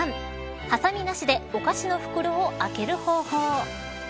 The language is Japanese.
はさみなしでお菓子の袋を開ける方法。